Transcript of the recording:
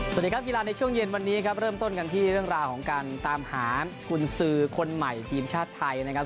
สวัสดีครับกีฬาในช่วงเย็นวันนี้ครับเริ่มต้นกันที่เรื่องราวของการตามหากุญสือคนใหม่ทีมชาติไทยนะครับ